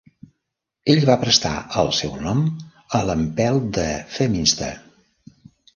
Ell va prestar al seu nom a l'empelt de Phemister.